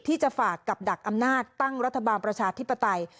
ที่จะฝากกับดักอำนาจตั้งรัฐบาลประชาธิปไตย